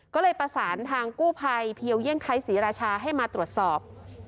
ก็เลยประสานทางกู้ภัยเพียวเยี่ยงไทยศรีราชาให้มาตรวจสอบ